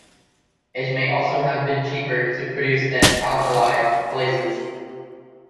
It may also have been cheaper to produce than alkali glazes.